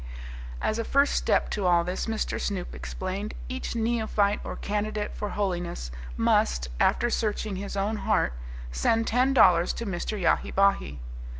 As a first step to all this, Mr. Snoop explained, each neophyte or candidate for holiness must, after searching his own heart, send ten dollars to Mr. Yahi Bahi.